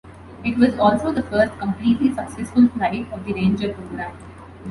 It was also the first completely successful flight of the Ranger program.